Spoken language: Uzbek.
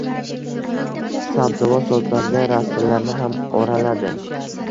Sabzavot sotiladigan rastalarni ham oraladi